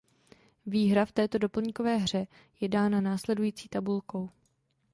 Výhra v této doplňkové hře je dána následující tabulkou.